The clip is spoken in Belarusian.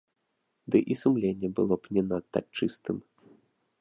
Ды і сумленне было б не надта чыстым.